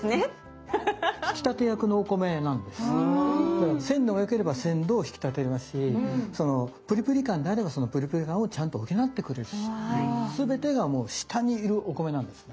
だから鮮度がよければ鮮度を引き立てますしそのプリプリ感であればそのプリプリ感をちゃんと補ってくれるし全てがもう下にいるお米なんですね。